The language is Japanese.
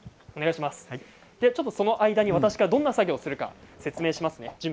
その間に私がどんな作業をするか説明しますね。